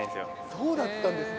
そうだったんですね。